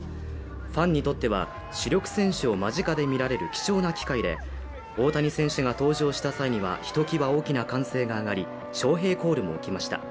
ファンにとっては主力選手を間近で見られる貴重な機会で、大谷選手が登場した際には、ひときわ大きな歓声が上がり、ショーヘイコールも起きました。